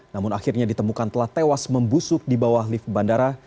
namun akhirnya ditemukan telah tewas membusuk di bawah lift bandara